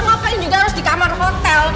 ngapain juga harus di kamar hotel